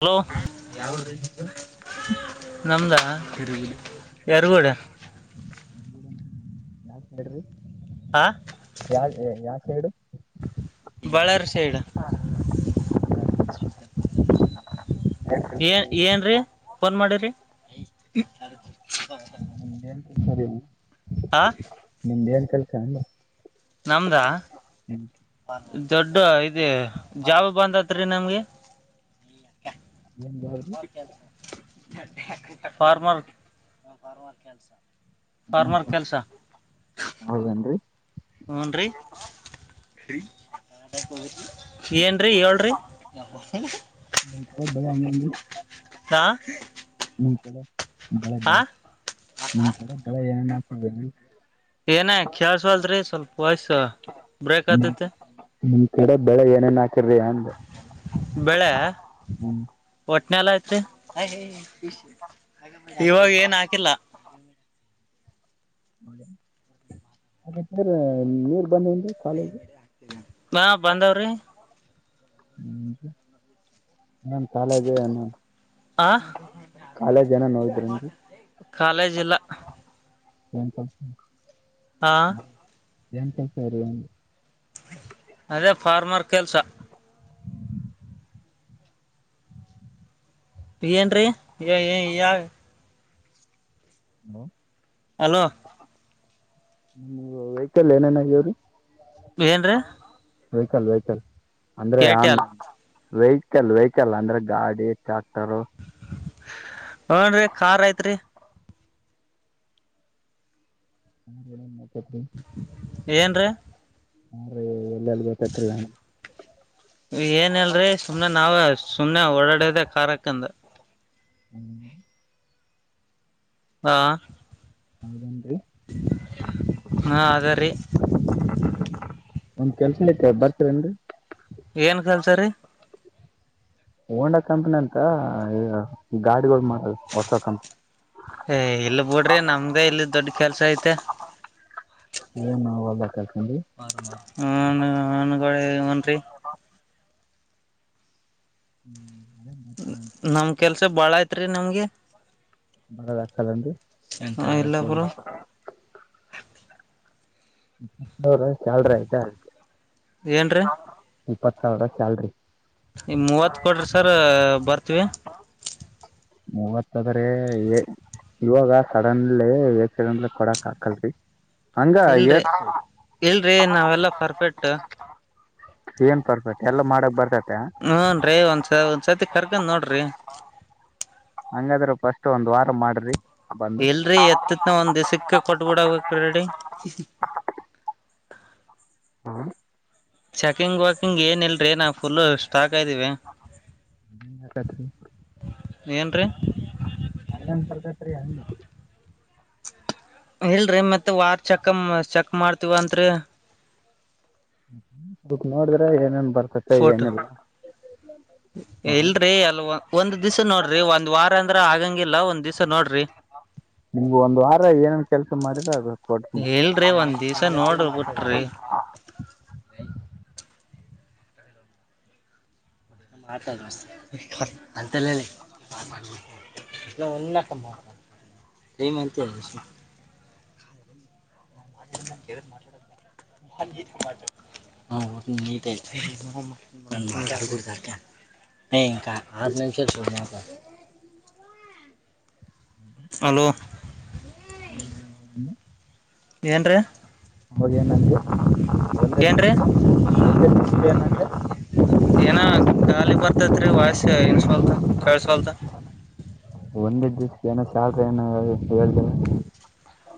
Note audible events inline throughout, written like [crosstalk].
Hello ಯಾ ಊರ್ ರಿ ಯಾವ್ರೀ ಇದು ನಿಮ್ದು ನಮ್ದ್.. ಯಾರಿಗೂಳಿ. ಯಾವ್ ಸೇಡ್ರಿ ಹಾ ಯವ್ ಯಾ ಸೈಡು. ಬಳಾರ್ಸೈಡ. ಏ ಏನ್ರರಿ ಫೋನ್ ಮಾಡಿರಿ. [unintelligible] ಎಂತ ಸರಿ ಹ ನಿಮ್ದ ಏನ್ ಕೆಲಸ ಅಂದೇ ನಮ್ದಾ. ಹ್ಮ್ ದೊಡ್ಡ ಇದು ಜಾಬ್ ಬಂದ್ತ್ ರಿ ನಮ್ಗೆ. ಏನ್ ಜಾಬ್ ರೀ ಕೆಸ [inaudible] ಫಾರ್ಮರ್. ಹ್ಮ ಫಾರ್ಮರ್ ಕೆಲ್ಸ ಹೌದೇನ್ರಿ. ಹ್ನ ರಿ [unintelligible] [inaudible] ಏನ್ರರಿ ಹೇಳ್ರ್ರಿ.. ಹ್ಮ. ದಾ. ನಿಮ್ ಕಡೆ ಬೆಳೆ ಬೆಳೆ ನಿಮ್ ಕಡೆ ಬೆಳೆ ಏನೆನ್ ಹಾಕಿದಿರ್ರಿ. ಏನ ಕೇಳ್ಸ್ತಾ ವಲ್ತಾ ರಿ ಸ್ವಲ್ಪ ವಯಸ್ಸ ಬ್ರೇಕ್ ಆತತಿ.. ಕಡೆಕ್ ಬೆಳ್ಳಗ ಏನೇನು ಹಾಕೆರ್ ಏನ್. ಬೆಳೆ ಹ್ಮ್ ಒಟ್ನೆಲ್ ಆಯ್ಚಿ. ಇವಾಗ್ ಏನ್ ಹಾಕಿಲ್ಲ. ಸರ್ ನೀರ್ ಬಂದ ಹ ಬಂದವ್ರಿ.. ಹ್ಮ್.. ನನ್ ಕಾಲೇಜ ಹಾ ಕಾಲೇಜ್ ಏನೋದ್ರನ್ರಿ. ಕಾಲೇಜ್ ಇಲ್ಲ ಏನ್ ಕಲ್. ಹಾ ಎನ್ಂತಸಾರ [unintelligible] ಅದೇ ಫಾರ್ಮರ್ ಕೆಲ್ಸ. ಏನ್ರಿ ಏ ಏ ಯಾವ್. [inaudible] ಹಲೋ. ಹ್ಮ ವೆಹಿಕಲ್ ಏನೇನ್ ಅಗ್ಯಾವರಿ. ಏನ್ರೀ. ವೆಹ್ಕಲ್ ವೆಹಕಲ್ ಅಂದ್ರೆ ಆನ್. ಏರ್ಟೆಲ್ ವೆಹಿಕಲ್ ವೆಹಿಕಲ್ ಅಂದ್ರೆ ಗಾಡಿ ಟ್ರ್ಯಾಕ್ಟರು. ಹುನ್ ರೀ ಕಾರ್ ಐತ್ರಿ. ಹತ್ತ [unintelligible] ಏನ್ರಿ. ಹಾಂರಿ ಎಲ್ಲೆಲ್ಲಿ ಬೇಕತ್ರಿ. ಏನಿಲ್ರಿ ಸುಮ್ನೆ ನಾವೇ ಸುಮ್ನೆ ಓಡಾಡದೆ ಕಾರಂಕಂದ್. ಹ್ಮ್ [unintelligible] ಹಾ. ಹೌದನ್ರಿ. ಹಾ ಅದರಿ. ಒಂದ್ ಕೆಲ್ಸನತೆ ಬರ್ತಿರೆನ್ರಿ. ಏನ್ ಕೆಲ್ಸ ರೀ. ಹೋಂಡಾ ಕಂಪನಿ ಅಂತ ಗಾಡಿಗಳ್ ಮಾಡದ್ ಹೊಸ ಕಂಪನಿ. ಏ ಇಲ್ ಬುಡ್ರಿ ನಮ್ದ ಇಲ್ ದೊಡ್ ಕೆಲ್ಸ ಐತೆ. ಏನ್ ಹೊಲ್ದಾಗ ಕಲ್ಸನ್ರಿ [unintelligible] ಹ್ಮ್. [inaudible] ನಮ್ ಕೆಲ್ಸ ಬಾಳ್ ಐತ್ ರೀ ನಿಮ್ಗೆ. ಬರೋದ ಆಗ್ತದನ್ರಿ ಇಲ್ಲ ಬ್ರೋ. [inaudible] [unintelligible] ಸ್ಯಾಲ್ರಿ ಆಯ್ತಾ ಏನ್ರೀ ಅ ಇಪ್ಪತ್ ಸಾವ್ರ ಸ್ಯಾಲ್ರಿ. ಇನ್ ಮೂವತ್ತು ಕೊಡ್ರಿ ಸರ ಬರ್ತೀವಿ. ಮೂವತ್ ಅದ ರೀ ಎ. ಇವಾಗ ಸಡನ್ಲಿ ಹೆಚ್ಚಿಗ್ ಅಂದ್ರ ಕೊಡಕ್ ಆಗಲ್ರಿ. ಇಲ್ರಿ ಇಲ್ರಿ ನಾವೆಲ್ಲ ಪರ್ಫೆಕ್ಟ್. ಏನ್ ಪರ್ಫೆಕ್ಟ್ ಎಲ್ಲಾ ಮಾಡಕ್ ಬರ್ತಾತ್. ಹುನ್ರಿ ಒಂದ್ಸ ಒಂದ್ಸರ್ತಿ ಕರ್ಕೊಂಡ್ ನೋಡ್ರಿ. ಹಂಗಾದ್ರೆ ಫಸ್ಟ್ ಒಂದ್ ವಾರ ಮಾಡ್ರಿ. ಬಂದು ಇಲ್ರರಿ ಎತ್ತತ್ನ ಒಂದ್ ದಿಸಕ್ಕೆ ಕೊಟ್ಟ್ಬಿಡವ. [unintelligible] ಹಾ. ಚೆಕಿಂಗ್ ವಕಿಂಗ್ ಏನ್ ಇಲ್ರಿ ನಾವು ಫುಲ್ಲು ಸ್ಟಾಕ್ ಅದ್ದೀವಿ. ಕತ್ರಿ. [unintelligible] ಏನ್ರೀ. [unintelligible] ಅಟೆಂಪ್ಟ್ ಬರ್ತೈತ್ರಿ ಅಂದ್ನಾ. ಇಲ್ರಿ ಮತ್ ವಾರ್ ಚೆಕ್ ಚೆಕ್ ಮಾಡ್ತವ್ ಅಂತ್ರಿ. ಬುಕ್ ಮಾಡಿದ್ರೆ ಏನ್ ಏನ್. ಫೋಟೋ ಇಲ್ರಿ ಅಲ್ ಓ ಒಂದ್ ದಿವ್ಸ ನೋಡ್ರಿ ಒಂದ್ ವಾರ ಅಂದ್ರ ಆಗಂಗಿಲ್ಲ ಒಂದ್ ದಿಸಾ ನೋಡ್ರಿ. ಹಾ. ನಿಮ್ಗ ಒಂದ್ ವಾರ ಏನನ್ ಕೆಲ್ಸ ಮಾಡಿದ್ದ ಅದ್ ಕೊಡ್ತೀನಿ. ಇಲ್ರರಿ ಒಂದ್ ದಿವ್ಸ ನೋಡ್ ಬಿಟ್ರಿ [unintelligible] [unintelligible] [unintelligible] [unintelligible] ಎಲ್ಲ ಒನ್ನಕಮ್ಮ [unintelligible] ಎದಕ ಮಾಡ [unintelligible] ಮಾಡ [unintelligible] ಹ ಇಂಕ ಆ [unintelligible] [unintelligible] ಹಲೋ ಎಂದ್ರಿ ಹಾಗ ಏನಂದೆ ಒಂದೇ ದಿಸಕ್ಕೆ ಒಂದೇ ದಿಸಕ್ಕೆ ಏನಂದೆ ಏನ ಖಾಲಿ ಬರ್ತತರಿ ವಯಸ್ಸ ನ್ ಸ್ವಲ್ತ ಕಳ್ಸ್ವಲ್ತ ಏನ ಶ [unintelligible] ಏನ [unintelligible] ಹೇಳ್ತ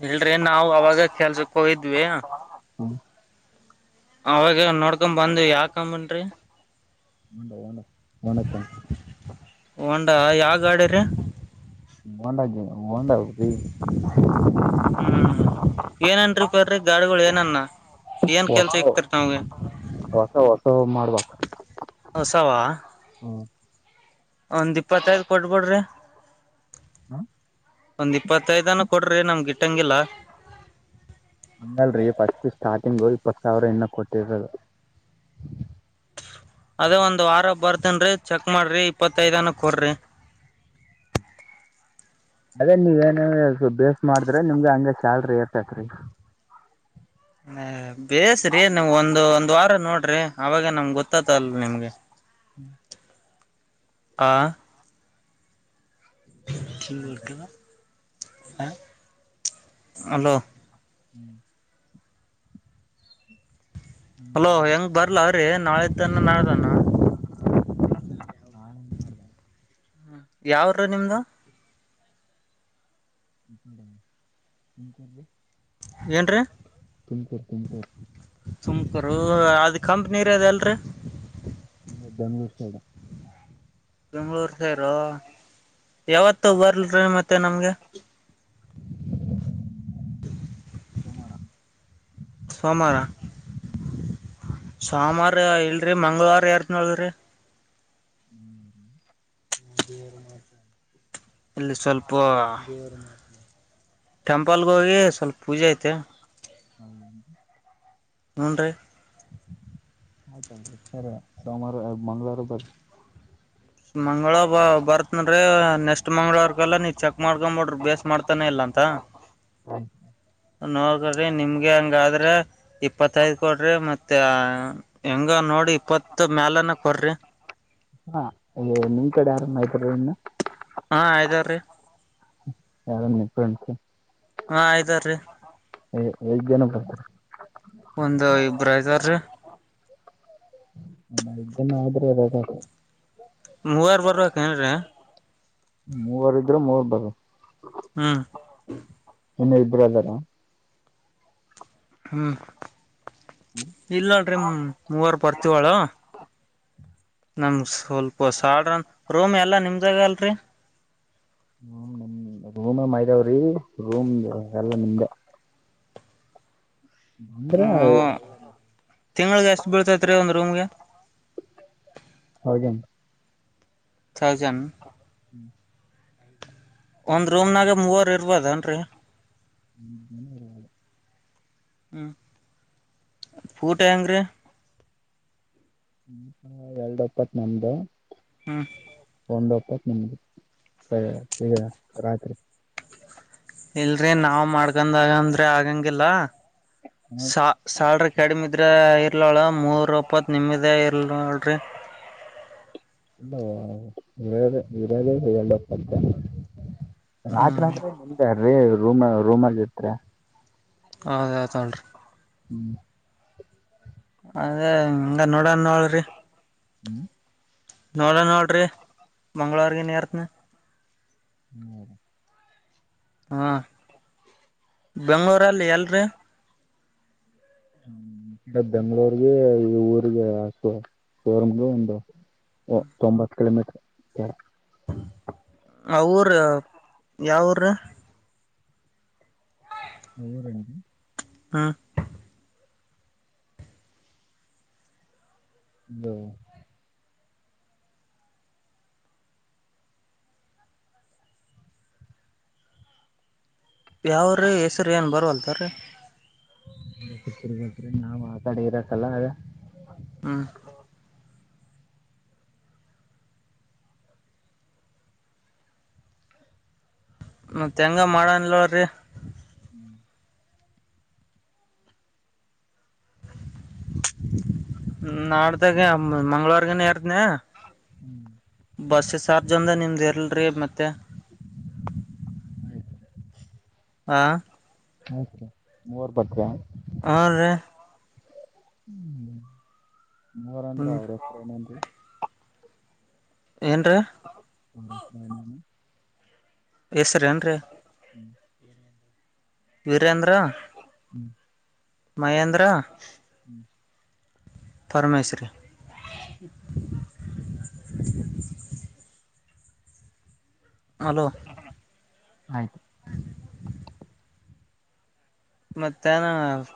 ಇಲ್ರಿ ನಾವವು ಅವಾಗ ಕೆಲ್ಸಕ್ಕ ಹೋಗಿದ್ವಿ ಹ್ಮ್ ಅವಾಗ ನೋಡ್ಕೊ ಬಂದವಿ ಯಾಕನ [unintelligible] ಹೋಂಡ ಹೋಂಡ ಹೋಂಡಕ್ಕೆ ಹೋಂಡಾ ಯಾವ ಗಾಡಿರಿ [unintelligible] ಹ್ಮ್ ಏನನ್ರಿ ಪರ್ರಿ ಗಾಡಿಗಳು ಏನನ್ನ ಏನ್ ಹೊಸ ಕೆಲ್ಸ ಇಕ್ತಿರಿ ನಮ್ಗೆ ಹೊಸ ಹೊಸ ಮಾಡ್ಬೇಕ ಹೊಸವಾ ಒಂದ್ ಇಪ್ಪತ್ತೈದು ಕೊಟ್ಬಿಡ್ರಿ ಒಂದ್ ಇಪ್ಪತ್ತೈದನ ಕೊಡ್ರಿ ನಮ್ಗೆ ಗಿಟ್ಟಂಗಿಲ್ಲ ಹಂಗಲ್ರಿ ಪಾಸ್ಟ್ ಸ್ಟಾರ್ಟಿಂಗು ಇಪ್ಪತ್ ಸಾವಿರ ಇನ್ನ ಕೊಟ್ಟಿರದು. ಅದೇ ಒಂದು ವಾರ ಬರ್ತನ್ರೀ ಚೆಕ್ ಮಾಡ್ರಿ ಇಪ್ಪತೈದನ ಕೊಡ್ರಿ. [inaudible] ಅದೇ ನೀವ್ ಏನ ಬೇಸ್ ಮಾಡಿದ್ರೆ ನಿಮ್ಗೆ ಹಂಗಗೆ ಶ್ಯಾಲ್ರಿ ಎರ್ತತ್ರಿ ಹ ಬೇಯಸ್ರಿ ನೀವ್ ಒಂದು ಒಂದ್ ವಾರ ನೋಡ್ರಿ ಅವಾಗ ನಮ್ಗ್ ಗೊತ್ತತಲ್ ನಿಮ್ಗೆ ಹ್ಮ್ ಅ ಹ [unintelligible] ಹಲೋ ಹ್ಮ್ ಹಲೋ ನಾವು ಹೆಂಗ ಬರ್ಲರಿ ನಾಳಿತನ ನಾಳ್ದಾನ ನಾನ್ ಮಾಡ್ದ ಯಾವರುರಿ ನಿಮ್ದು ತುಮಕೂರ್ಲಿ ಏನ್ರೀ ತುಮಕೂರು ತುಮಕೂರು ಸುಮಕರು ಅದ ಕಂಪಾನಿರದ್ ಎಲ್ರಿ ಬೆಂಗಳೂರು ಸೈಡ್ ಬೆಂಗಳೂರು ಸೇರು ಯಾವತ್ತು ಬರ್ಲ್ರಿ ಮತ್ತೆ ನಮ್ಗೆ ಸೋಮವಾರ ಸೋಮ ಸೋಮಾರ ಇಲ್ರಿ ಮಂಗಳವಾರ ಯಾರ್ದನೋಳಿ ಇಲ್ಲಿ ಸ್ವಲ್ಪ ಟೆಂಪಲ್ಗ ಹೋಗಿ ಸ್ವಲ್ಪ ಪೂಜೆ ಐತೆ ಹುನ್ರಿ ಆಯ್ತಲ್ರಿ ಸರ್ ಸೋಮವಾರ ಮಂಗಳವಾರ ಬರ್ರಿ ಮಂಗಳವ ಬ ಬರ್ತ್ನನ್ರೀ ನೆಕ್ಸ್ಟ್ ಮಂಗಳವರ್ಕಲ್ಲ ನೀ ಚೆಕ್ ಮಾಡ್ಕೊಬಡ್ರಿ ಬೇಸ್ ಮಾಡ್ತಾನೆ ಇಲ್ಲ. ಅಂತ ಹ [inaudible] ನೋಡ್ರಿ ನಿಮ್ಗೆ ಹೆಂಗಾದ್ರೆ ಇಪ್ಪತ್ತೈದ್ ಕೊಡ್ರಿ ಮತ್ತೆ ಹೆಂಗ ನೋಡಿ ಇಪ್ಪತ್ತು ಮ್ಯಾಲನ ಕೊರ್ರಿ ಹಾ ಅ ನಿಮ್ ಕಡೆ ಆರಾಮ [unintelligible] ಇನ್ನ ಹಾಂ ಇದ್ದರ್ ರೀ [unintelligible] ಹಾ ಇದ್ದರ್ ರಿ ಐದು ಜನ ಕರ್ಕಂಬ ಒಂದು ಇಬ್ರ ಇದಾರ ರೀ ಹೌದ್ರೆದದ ಮುವಾರ ಬರಬೇಕೆಂದ್ರೆ ಮೂವರು ಬರ್ರೋ [inaudible] ಹ್ಮ ಇನ್ನು ಇಬ್ರು ಅದಾರ ಹ್ಮ್ ಇಲ್ಲಲ್ರಿ ಮೂವರ್ ಬರ್ತೀವಳ ನಮಗ ಸ್ವಲ್ಪ ಸಾಡ್ರನ್ ರೋಮಿ ಎಲ್ಲಾ ನಿಮ್ದಾಗ ಅಲ್ರಿ [unintelligible] ರೂಮ ಮೈದಾವ್ರೀ ರೂಮ ಎಲ್ಲ ನಿಮ್ದೆ ಬಂದ್ರೆ ಅದೇ [unintelligible] ತಿಂಗಳಿಗೆ ಎಷ್ಟು ಬೀಳ್ತೈತ್ ರೀ ಒಂದು ರೂಮ್ಗೆ ಹಾಗೇನು ಸಾಜನ್ [unintelligible] ಒಂದ್ ರೂಮ್ನಾಗ ಮೂವರ ಇರ್ಬೊದನ್ರಿ ಊಟ ಹೆಂಗ್ರಿ ಇಪ್ಪತ್ತೊಂದ. ಹ್. ಈಗ ರಾತ್ರಿ ಇಲ್ರಿ ನಾವ ಮಾಡ್ಕಂದಾಗಂದ್ರೆ ಆಗಂಗಿಲ್ಲ. ಹ ಸಾ ಸಾಲ್್ರಿ ಕಡಿಮಿದ್ರೆ ಇರ್ಲಳ ಮೂರ್ ಓಪತ್ ನಿಮದೇ ಇರ್ಲಲ್ಿ. ಹಲೋ ಹೇಳಪ್ಪ ಅಂತ ಹ್ಮ್. ಏನ್ರಿ ರೂಮ ರೂಮಲ್ಲಿ ಇರ್ತೀರಾ. ಆಧ ಆಯತಳರಿ. ಹ್ಮ್ ಅದ ಹಂಗ ನೋಡೋಣ ನೋಳ್ರಿ. ಹ್ಮ್ ನಾಳೆ ನೋಡ್ರಿ ಮಂಗ್ಳವಾರಗ ನೀೇರ್ತ್ನ. ಹಾ ಬೆಂಗಳೂರಲ್ಲಿ ಎಲ್ಲರಿ. ಬೆಂಗಳೂರ್ಗೆ. ಒಂದು ಹ್ಮ. ತೊಂಬತ್ ಕಿಲೋಮೀಟರ್ ಅವರೇ ಯಾವೂರು ರೇ ಹೌರಂಡಿ ಹಾ. ಯಾವ ರೀ ಹೆಸರು ಏನ ಬರವಲ್ತಾರೀ. ಮಾತಾಡಿರ್ ಕಲ್ಲಾಗ. ಹ್ಮ್. ಮತ್ತ ಹೆಂಗ ಮಾಡನ್ಲ್ರಿ. [inaudible] ಹ್ಮ ನಾಡ್ದಾಗ ಮಂಗಳವಾರಗನ ಎರದ್ಧನ್ಯ. ಬಸ್ ಸಾರ್ಜ್ ಅಂದ ನಿಮ್ದ ಏಲ್ರಿ ಮತ್ತೆ. ಹ. ಮೂವರ ಬಟ್ವ್ಯಾ. [unintelligible] ಹ್ಮ್. ನಂದು. ಏನ್ರೀ ಅವ್ರ ಹೆಸರು ಏನೇನು ಹೆಸ್ರೇನ್ ರೀ ವೀರೇಂದ್ರ ಮಹೇಂದ್ರ ಪರಮೇಶ್ ರಿ [inaudible] ಹಲೋ ಆಯ್ತು [inaudible] ಮತ್ತೇನ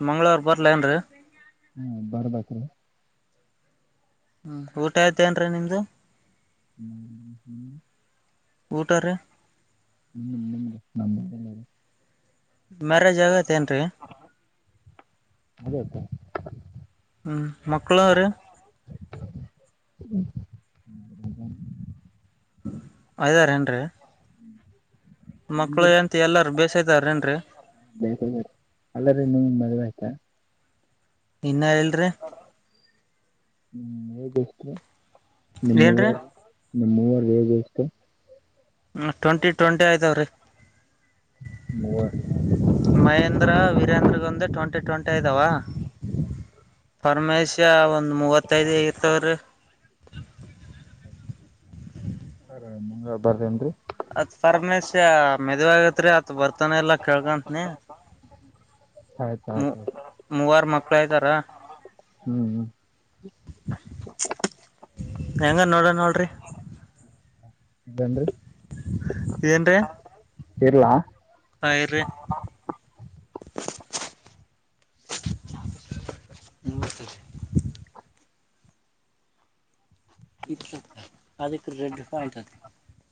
ಮಂಗ್ಗಳವಾರ ಬರ್ಲನ್ರರಿ ಹ್ಮ ಬರ್ಬೇಕ್ರಿ ಹ್ಮ್ ಊಟ ಆಯ್ತೇನ್ರೀ ನಿಮ್ದು ಹ್ಮ್ ಹ್ಮ್ ಊಟರಿ ನಿಮ್ದು ನಿಮ್ದು ನಮ್ದು ಮ್ಯಾರೇಜ್ ಆಗೈತೆ ಏನ್ರೀ ಅದೇ ಹ್ಮ್ ಮಕ್ಕಳರು ಆಯದನ್್ರ ಮಕ್ಳು ನಿಮ್ಗೆ ಎಂತ ಎಲ್ಲಾರು ಬೇಸ್ದಾರೇಏನ್ರಿ ಬೇಕಾಗೈತಿ ಅಲ್ಲರಿ ನಿಮ್ ಮದ್ವೆ ಆಯ್ತಾ ಇನ್ನ ಇಲ್ಲರಿ ನಿಮ್ ಏಜ್ ಎಷ್ಟು ನಿಮ್ ಏನ್ರೀ ಮೂವರ್ ನಿಮ್ ಮೂವರ್ ಏಜ್ ಎಷ್ಟು ಹ ಟ್ವೆಂಟಿ ಟ್ವೆಂಟಿ ಆಯ್ತಾವ್ರೀ ಮೂವರ್ ಮಹೇಂದ್ರ ವೀರೇಂದ್ರಗೊಂದು ಟ್ವೆಂಟಿ ಟ್ವೆಂಟಿ ಇದಾವ ಪರಮೇಶ ಒಂದು ಮೂವತ್ತೈದು ಇರ್ತವ್ರೀ ಹ ಹ ಬರ್ರೇನ್ರಿ ಅತ್ ಪರಮೇಶ್ ಮೆದ್ ಆಾಗತ್ರಿ ಅತ್ ಬರ್ತಾನ ಎಲ್ಲಾ ಕೇಳ್ಕತ್ನಿ ಆಯ್ತ ಆಯ್ತು ಆ್ತು ಮೂವಾರು ಮಕ್ಳ ಇದ್ದಾರ ಹ್ಮ್ ಹೆಂಗ ನೋಡ ನೋಡ್ರಿ ಇರ್ಲಾ ಪೈರು ಇತ ಅದಕ್ಕೆ ರೆಡ್ಡಿಫ ಆಯ್ತತಿ